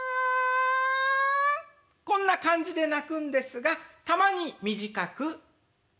こんな感じで鳴くんですがたまに短く。